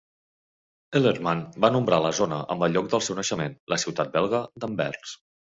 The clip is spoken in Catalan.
Ellerman va nombrar la zona amb el lloc del seu naixement, la ciutat belga d"Anvers.